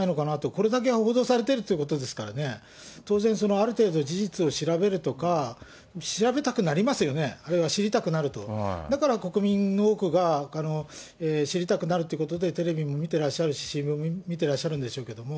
これだけ報道されてるということですからね、当然、ある程度事実を調べるとか、調べたくなりますよね、あるいは知りたくなると、だから国民の多くが知りたくなるってこテレビも見てらっしゃるし、新聞見てらっしゃるんでしょうけど。